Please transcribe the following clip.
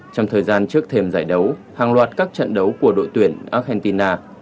trong thời gian trước thềm giải đấu hàng loạt các trận đấu của đội tuyển argentina